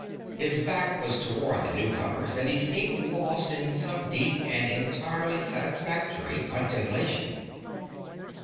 His back was toward the newcomers and he seemed lost in some deep and entirely satisfactory contemplation.